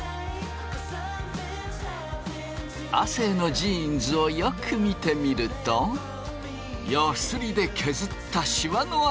亜生のジーンズをよく見てみるとヤスリで削ったシワのあとが。